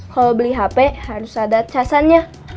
kalau beli hp harus ada casannya